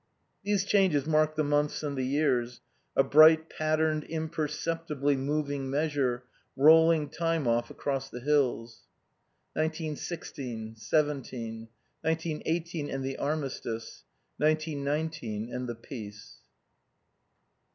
These changes marked the months and the years, a bright patterned, imperceptibly moving measure, rolling time off across the hills. Nineteen sixteen, seventeen. Nineteen eighteen and the armistice. Nineteen nineteen and the peace.